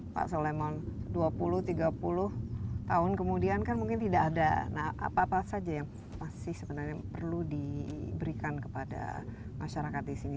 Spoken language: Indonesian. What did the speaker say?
pak solemon dua puluh tiga puluh tahun kemudian kan mungkin tidak ada apa apa saja yang masih sebenarnya perlu diberikan kepada masyarakat di sini